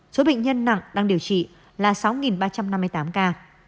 số bệnh nhân nặng đang điều trị là sáu ba trăm năm mươi tám ca